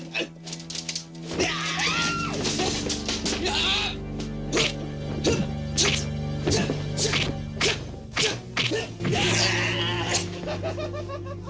kau tidak akan bergeser dari tempat ini